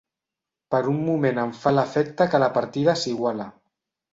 Per un moment em fa l'efecte que la partida s'iguala.